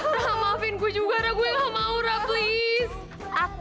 rah maafin gue juga rah gue gak mau rah please